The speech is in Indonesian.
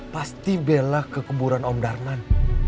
pasti bela ke keburan om darman